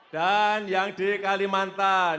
dan yang di kalimantan